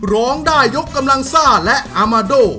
ร้องได้ยกกำลังซ่าและอามาโด